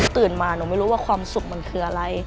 ตื่นมาหนูไม่รู้ว่าความสุขมันคืออะไร